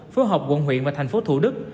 phú học quận huyện và tp thủ đức